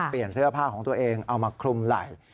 เปลี่ยนเสื้อผ้าของตัวเองเอามาคลุมไหล่